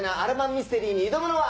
ミステリーに挑むのは。